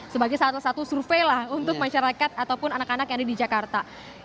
sebagai salah satu survei lah untuk masyarakat ataupun anak anak yang ada di jakarta